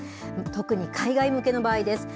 特に海外向けの場合です。